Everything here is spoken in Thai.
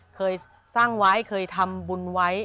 เคยสร้างไว้เคยทำบุญไว้